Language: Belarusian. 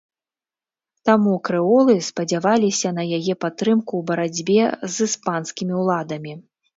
Таму крэолы спадзяваліся на яе падтрымку ў барацьбе з іспанскімі ўладамі.